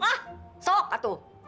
ah sok itu